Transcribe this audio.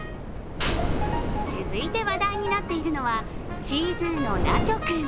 続いて話題になっているのはシーズーのナチョ君。